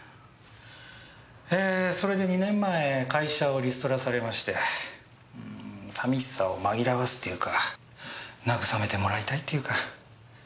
えそれで２年前会社をリストラされまして寂しさをまぎらわすっていうか慰めてもらいたいっていうか。